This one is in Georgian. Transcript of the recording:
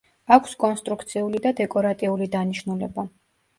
აქვს კონსტრუქციული და დეკორატიული დანიშნულება.